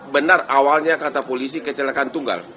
benar awalnya kata polisi kecelakaan tunggal